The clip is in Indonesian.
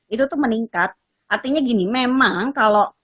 itu tuh meningkat artinya gini memang kalau